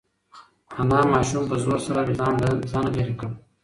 انا ماشوم په زور سره له ځانه لرې کړ.